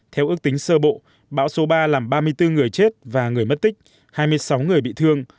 theo ước tính sơ bộ bão số ba làm ba mươi bốn người chết và người mất tích hai mươi sáu người bị thương